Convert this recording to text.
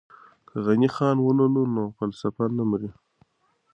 که غني خان ولولو نو فلسفه نه مري.